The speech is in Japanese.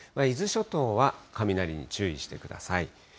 伊豆諸島は雷に注意してください。